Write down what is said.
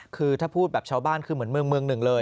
คือถ้าพูดแบบชาวบ้านคือเหมือนเมืองหนึ่งเลย